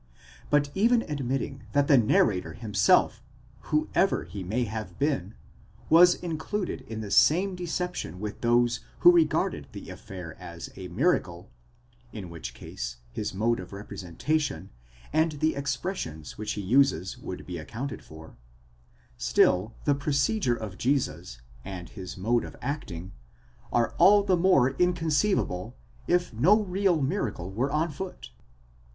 But even admitting that the narrator him self, whoever he may have been, was included in the same deception with those who regarded the affair as a miracle, in which case his mode of repre sentation and the expressions which he uses would be accounted for; still the procedure of Jesus, and his mode of acting, are all the more inconceivable, if no real miracle were on foot.